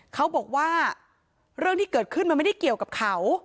เขาบอกว่าเรื่องที่เกิดขึ้นมันไม่ได้เกี่ยวกับเขา